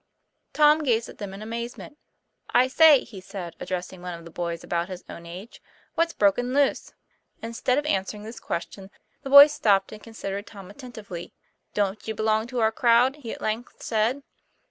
Tom gazed at them in amazement. '* I say," he said, addressing one of the boys about his own age, "what's broken loose?" Instead of answering this question, the boy stopped and considered Tom attentively. ' Don't you belong to our crowd?" he at length said.